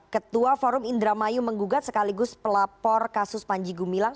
ketua forum indramayu menggugat sekaligus pelapor kasus panji gumilang